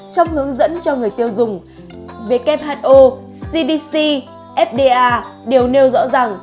trong hướng dẫn cho người tiêu dùng who cdc fda đều nêu rõ rằng